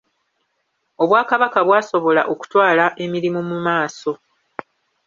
Obwakabaka bwasobola okutwala emirimu mu maaso